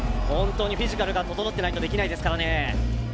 本当にフィジカルが整ってないとできないですからね